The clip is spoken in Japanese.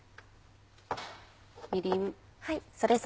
みりん。